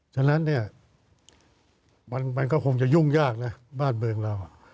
ฉะนั้นเนี่ยมันก็คงจะยุ่งยากนะบ้านเมืองเรา